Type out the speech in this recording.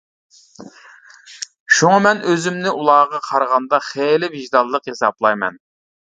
شۇڭا مەن ئۆزۈمنى ئۇلارغا قارىغاندا خېلى ۋىجدانلىق ھېسابلايمەن.